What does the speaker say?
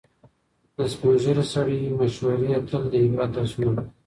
د سپینې ږیرې سړي مشورې تل د عبرت درسونه لري.